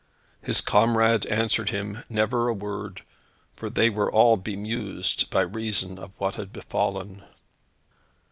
His comrades answered him never a word, for they were all bemused by reason of what had befallen.